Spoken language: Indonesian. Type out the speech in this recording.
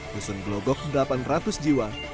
dusun glogok delapan ratus jiwa